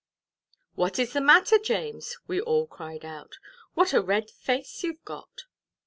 "What is the matter, James?" we all cried out. "What a red face you've got!"